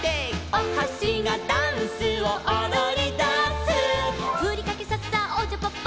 「おはしがダンスをおどりだす」「ふりかけさっさおちゃぱっぱ」